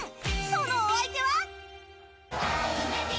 そのお相手は。